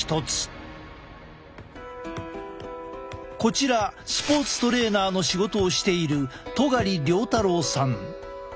こちらスポーツトレーナーの仕事をしている戸苅遼太郎さん。